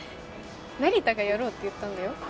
成田がやろうって言ったんだよ